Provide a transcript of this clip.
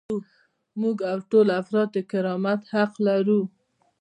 موږ او ټول افراد د کرامت حق لرو.